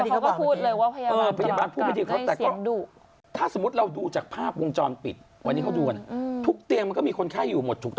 เขาก็พูดเลยว่าพยาบาลตรอบกลับได้เสียงดู